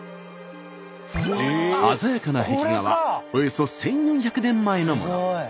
鮮やかな壁画はおよそ１，４００年前のもの。